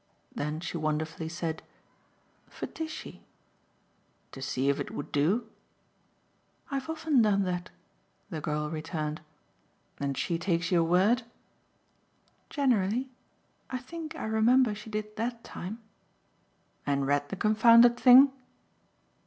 Then she wonderfully said: "For Tishy." "To see if it would do?" "I've often done that," the girl returned. "And she takes your word?" "Generally. I think I remember she did that time." "And read the confounded thing?"